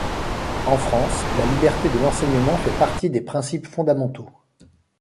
En France, la liberté de l'enseignement fait partie des principes fondamentaux.